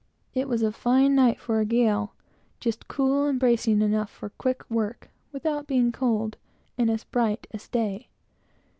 It was a fine night for a gale; just cool and bracing enough for quick work, without being cold, and as bright as day.